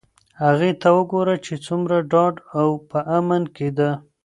هغې ته وگوره چې څومره ډاډه او په امن کې ده.